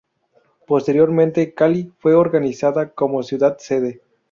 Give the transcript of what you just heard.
Posteriormente Cali fue oficializada como ciudad sede.